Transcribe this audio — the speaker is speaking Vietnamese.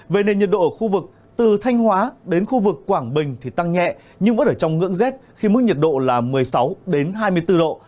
về nền nhiệt độ ở khu vực từ thanh hóa đến khu vực quảng bình thì tăng nhẹ nhưng vẫn ở trong ngưỡng rét khi mức nhiệt độ là một mươi sáu hai mươi bốn độ